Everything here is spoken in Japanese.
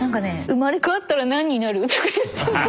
生まれ変わったら何になる？とか言ってんの。